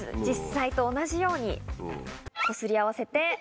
実際と同じようにこすり合わせて。